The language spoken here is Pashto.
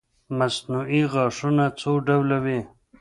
مصنوعي غاښونه څو ډوله وي